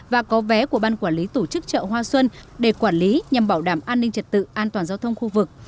và có vé của ban quản lý tổ chức chợ hoa xuân để quản lý nhằm bảo đảm an ninh trật tự an toàn giao thông khu vực